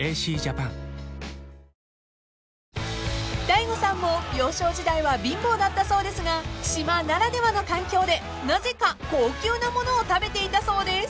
［大悟さんも幼少時代は貧乏だったそうですが島ならではの環境でなぜか高級なものを食べていたそうです］